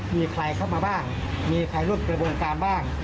มีใครเข้ามาบ้างมีใครร่วมกระบวนการบ้าง